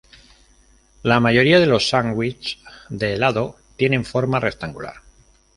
La mayoría de los sándwiches de helado tienen forma rectangular.